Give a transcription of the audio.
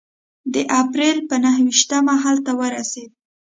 د اپرېل په نهه ویشتمه هلته ورسېد.